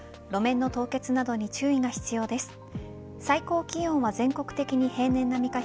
路面の凍結などに注意が必要です。